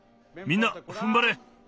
みんなふんばれ。